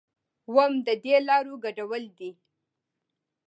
اووم ددې لارو ګډول دي.